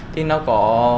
thì nó có